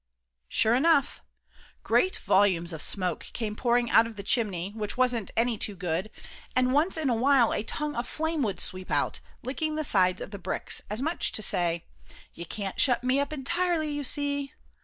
"_ Sure enough. Great volumes of smoke came pouring out of the chimney, which wasn't any too good, and once in a while a tongue of flame would sweep out, licking the sides of the bricks, as much as to say, "You can't shut me up entirely, you see."